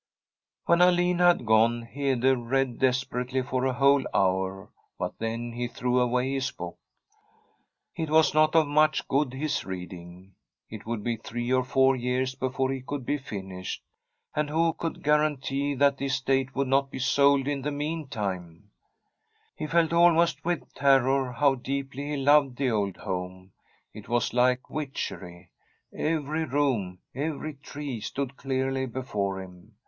When Alin had gone, Hede read desperately for a whole hour, but then he threw away his book. It was not of much good his reading. It would be three or four years before he could be finished, and who could guarantee that the estate would not be sold in the meantime ? y^U [91 '^ Fr9m a SWEDISH HOMESTEAD He felt almost with terror how deeply he loved the old home. It was like witchery. Every room, every tree, stood clearly before him.